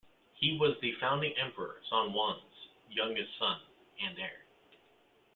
He was the founding emperor Sun Quan's youngest son and heir.